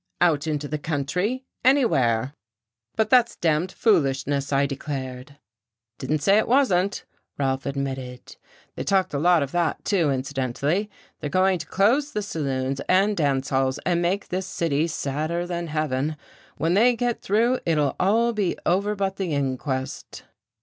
Out into the country, anywhere." "But that's damned foolishness," I declared. "Didn't say it wasn't," Ralph admitted. "They talked a lot of that, too, incidentally. They're going to close the saloons and dance halls and make this city sadder than heaven. When they get through, it'll all be over but the inquest."